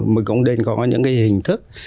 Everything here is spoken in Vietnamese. mới cũng nên có những cái hình thức